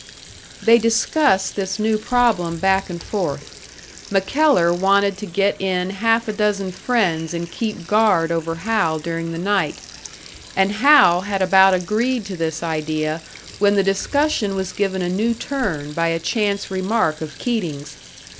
They discussed this new problem back and forth. MacKellar wanted to get in half a dozen friends and keep guard over Hal during the night; and Hal had about agreed to this idea, when the discussion was given a new turn by a chance remark of Keating's.